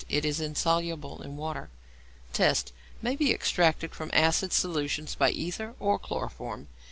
It is insoluble in water. Tests. May be extracted from acid solutions by ether or chloroform.